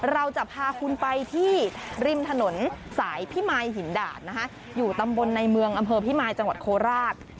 เราจะพาคุณไปที่ริมถนนสายพิมายหินดาดนะคะอยู่ตำบลในเมืองอำเภอพิมายจังหวัดโคราช